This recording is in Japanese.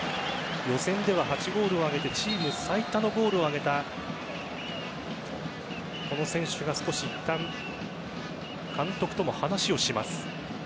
予選では８ゴールを挙げてチーム最多だった選手が少しいったん監督とも話をします。